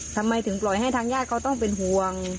ทำไมถึงปล่อยให้ทางญาติเขาต้องเป็นห่วง